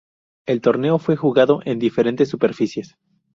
El torneo fue jugado en diferentes superficies.